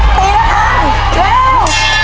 ๘ตีละครับเร็ว